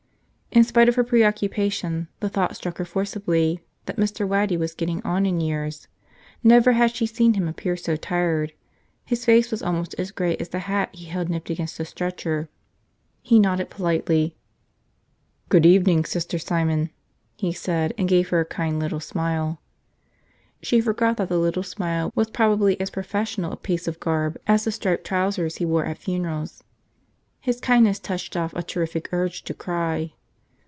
In spite of her preoccupation the thought struck her forcibly that Mr. Waddy was getting on in years. Never had she seen him appear so tired. His face was almost as gray as the hat he held nipped against the stretcher. He nodded politely. "Good evening, Sister Simon," he said, and gave her a kind little smile. She forgot that the little smile was probably as professional a piece of garb as the striped trousers he wore at funerals. His kindness touched off a terrific urge to cry.